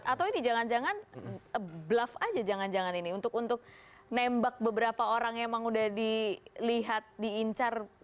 atau ini jangan jangan bluff aja jangan jangan ini untuk nembak beberapa orang yang emang udah dilihat diincar